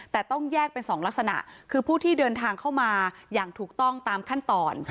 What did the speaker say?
แต่ต้องแยกเป็น๒ลักษณะคือผู้ที่เดินทางเข้ามาอย่างถูกต้องตามขั้นตอน